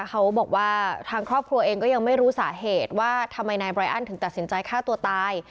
เขาบอกว่าทางครอบครัวเองก็ยังไม่รู้สาเหตุว่าทำไมนายไรอันถึงตัดสินใจฆ่าตัวตาย